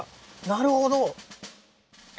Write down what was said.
なるほど。